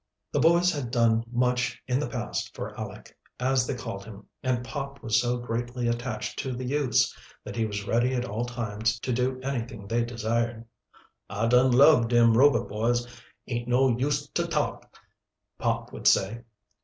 The boys had done much in the past for Aleck, as they called him, and Pop was so greatly attached to the youths that he was ready at all times to do anything they desired. "I dun lub dem Rober boys, aint no ust ter talk," Pop would say.